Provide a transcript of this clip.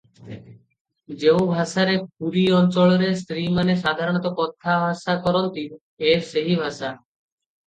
ଯେଉଁ ଭାଷାରେ ପୁରୀ ଅଞ୍ଚଳରେ ସ୍ତ୍ରୀମାନେ ସାଧାରଣତଃ କଥାଭାଷା କରନ୍ତି ଏ ସେହି ଭାଷା ।